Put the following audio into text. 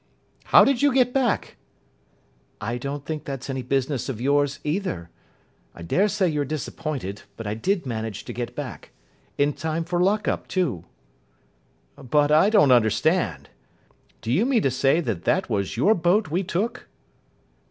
"How did you get back?" "I don't think that's any business of yours, either. I daresay you're disappointed, but I did manage to get back. In time for lock up, too." "But I don't understand. Do you mean to say that that was your boat we took?"